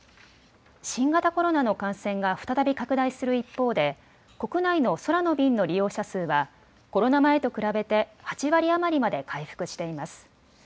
新型コロナの感染が再び拡大する一方で国内の空の便の利用者数はコロナ前と比べて８割余りまで回復しています。